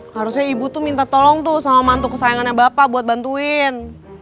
harusnya ibu tuh minta tolong tuh sama mantu kesayangannya bapak buat bantuin